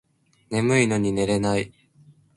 眠いのに寝れない